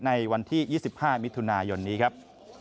ในวันที่๒๕มิถุนายนนี้ครับ